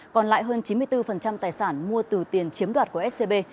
còn lại hơn chín mươi bốn tài sản mua từ tiền chiếm đoạt của scb